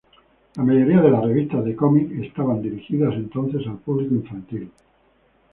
La mayoría de las revistas de cómics estaban dirigidas entonces al público infantil.